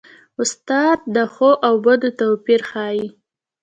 استاد د ښو او بدو توپیر ښيي.